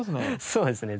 そうですね。